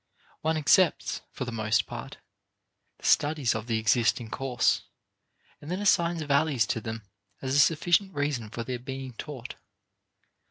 One accepts, for the most part, the studies of the existing course and then assigns values to them as a sufficient reason for their being taught.